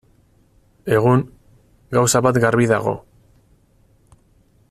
Egun, gauza bat garbi dago.